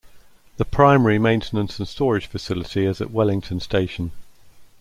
The primary maintenance and storage facility is at Wellington Station.